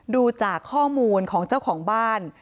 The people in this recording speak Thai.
ดูจากข้อมูลของเจ้าของบ้าน